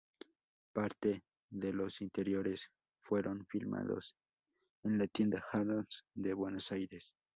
Parte de los interiores fueron filmados en la tienda Harrod’s de Buenos Aires.